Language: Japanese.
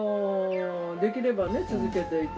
できればね続けていって。